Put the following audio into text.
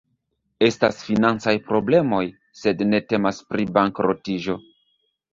Estas financaj problemoj, sed ne temas pri bankrotiĝo.